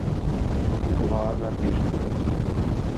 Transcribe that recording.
I kovárna již nepracuje.